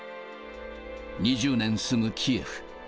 ２０年住むキエフ。